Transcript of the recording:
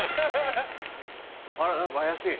あら何か怪しい！